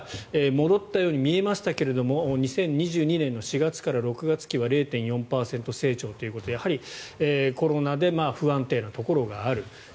戻ったように見えましたが２０２２年の４月から６月期は０．４％成長ということでコロナで不安定なところがある。